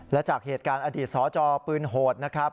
และจากเหตุการณ์อดีตสจปืนโหดนะครับ